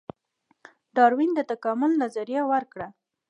ډاروین د تکامل نظریه ورکړه